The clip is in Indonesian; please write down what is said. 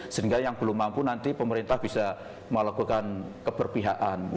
sehingga yang belum mampu nanti pemerintah bisa melakukan keberpihakan